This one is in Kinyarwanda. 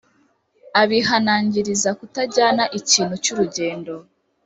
abihanangiriza kutajyana ikintu cy urugendo